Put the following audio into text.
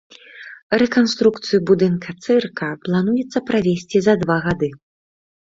Рэканструкцыю будынка цырка плануецца правесці за два гады.